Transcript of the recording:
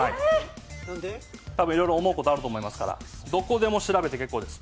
多分いろいろ思うことあると思いますからどこでも調べて結構です。